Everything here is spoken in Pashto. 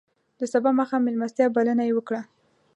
د سبا ماښام میلمستیا بلنه یې وکړه.